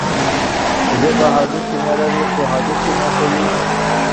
ژبه هډوکي نلري، خو هډوکي ماتوي.